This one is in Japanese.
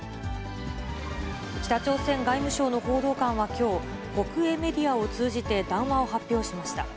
北朝鮮外務省の報道官はきょう、国営メディアを通じて談話を発表しました。